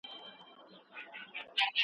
د جرم پېژندنه یوه غیر علمي څېړنه ده.